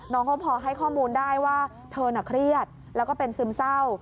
น้องเขาพอให้ข้อมูลได้ว่าเธอน่ะเครียดแล้วก็เป็นซึมเศร้า